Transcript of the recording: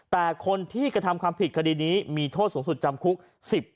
แต่คนที่กระทำความผิดคดีนี้มีโทษสูงสุดจำคุก๑๐ปี